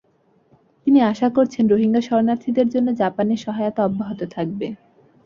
তিনি আশা করছেন রোহিঙ্গা শরণার্থীদের জন্য জাপানের সহায়তা অব্যাহত থাকবে।